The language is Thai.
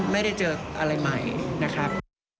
ไม่ได้เจออะไรใหม่นะครับ